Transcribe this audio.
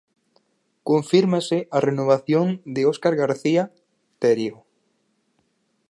Confírmase a renovación de Óscar García, Terio.